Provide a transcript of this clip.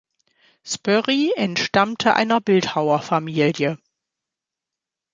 Spörri entstammte einer Bildhauerfamilie.